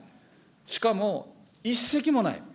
しかも一隻もない。